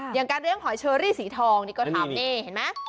อย่างการเลี้ยงหอยเชอรี่สีทองนี่ก็ทำ